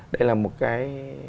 đây là một cái